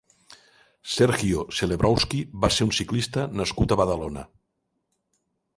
Sergio Celebrowski va ser un ciclista nascut a Badalona.